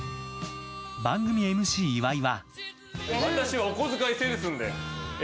番組ＭＣ岩井は。